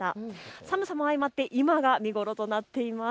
寒さも相まって今が見頃となっています。